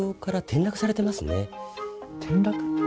転落？